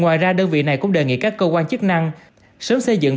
ngoài ra đơn vị này cũng đề nghị các cơ quan chức năng sớm xây dựng